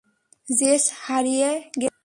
JS হারিয়ে গেছে।